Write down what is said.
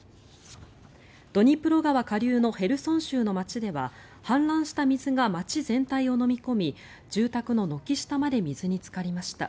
ドニプロ川下流のヘルソン州の街では氾濫した水が街全体をのみ込み住宅の軒下まで水につかりました。